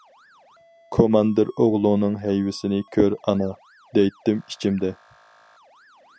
‹‹ كوماندىر ئوغلۇڭنىڭ ھەيۋىسىنى كۆر، ئانا›› دەيتتىم ئىچىمدە.